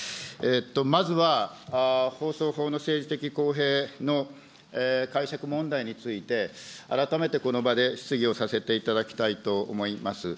まずは、放送法の政治的公平の解釈問題について、改めてこの場で質疑をさせていただきたいと思います。